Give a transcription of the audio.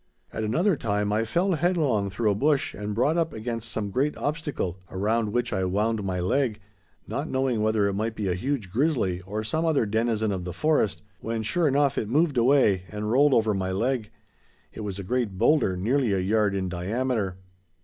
At another time I fell headlong through a bush and brought up against some great obstacle around which I wound my leg, not knowing whether it might be a huge grizzly or some other denizen of the forest, when sure enough it moved away, and rolled over my leg. It was a great boulder nearly a yard in diameter.